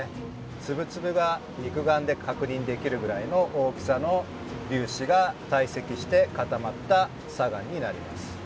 粒々が肉眼で確認できるぐらいの大きさの粒子が堆積して固まった砂岩になります。